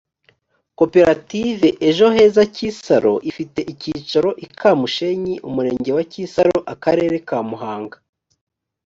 koperative ejo heza kisaro ifite icyicaro i kamushenyi umurenge wa kisaro akarere ka muhanga